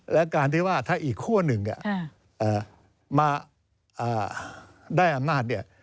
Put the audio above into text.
และการที่ว่าถ้าอีกคั่วหนึ่งมาได้อำนาจเนี่ย